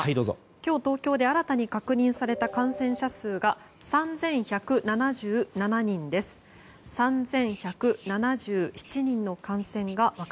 今日、東京で新たに確認された感染者数が３１７７人です。